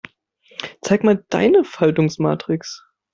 Zeig mal deine Faltungsmatrix.